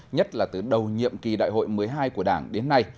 nhất là từ đầu nhiệm kỳ đại hội một mươi hai của đảng đến nay